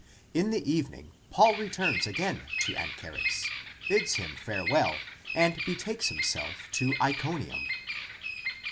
In the evening Paul returns again to Anchares, bids him farewell and betakes himself to Tconium.